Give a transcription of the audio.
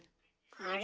あれ？